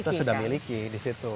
kita sudah miliki di situ